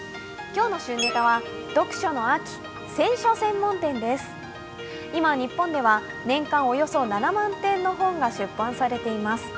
今、日本では年間およそ７万点の本が出版されています。